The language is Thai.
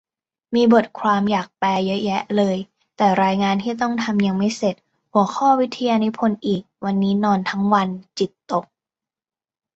มีบทความอยากแปลเยอะแยะเลย แต่รายงานที่ตั้งทำยังไม่เสร็จ หัวข้อวิทยานิพนธ์อีก วันนี้นอนทั้งวัน จิตตก